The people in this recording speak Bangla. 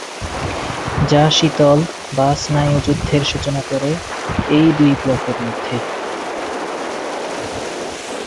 যা শীতল বা স্নায়ুযুদ্ধের সূচনা করে এই দুই ব্লকের মধ্যে।